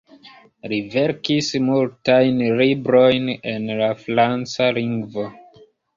Li verkis multajn librojn en la franca lingvo.